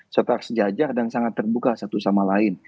serta sejajar dan sangat terbuka satu sama lain